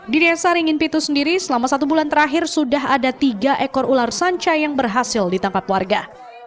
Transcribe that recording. di desa ringin pitu sendiri selama satu bulan terakhir sudah ada tiga ekor ular sanca yang berhasil ditangkap warga